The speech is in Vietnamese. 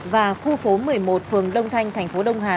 và khu phố một mươi một phường đông thanh thành phố đông hà